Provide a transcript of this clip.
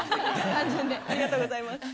ありがとうございます。